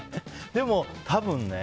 でも、多分ね。